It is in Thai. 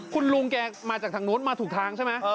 คุณลุงแกมาจากทางนู้นมาถูกทางใช่ไหม